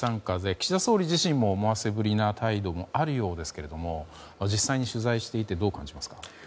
岸田総理自身も、思わせぶりな態度もあるようですけれども実際に取材していてどう感じますか？